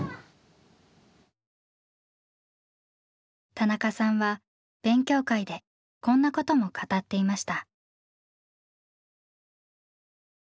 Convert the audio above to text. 田中さんは勉強会でこんなことも語っていました。